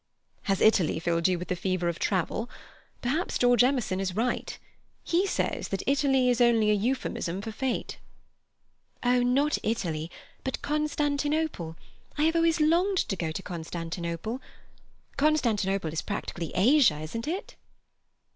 "Has Italy filled you with the fever of travel? Perhaps George Emerson is right. He says that 'Italy is only an euphuism for Fate.'" "Oh, not Italy, but Constantinople. I have always longed to go to Constantinople. Constantinople is practically Asia, isn't it?"